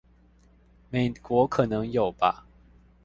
美國可能有吧